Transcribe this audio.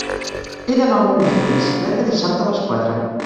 He d'anar al Montmell amb bicicleta dissabte a les quatre.